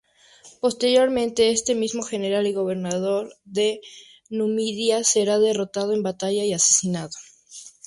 Posteriormente este mismo general y gobernador de Numidia será derrotado en batalla y asesinado.